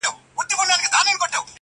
د الماسو یې جوړ کړی دی اصلي دی,